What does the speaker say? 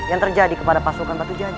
yang terjadi kepada pasukan batu jaja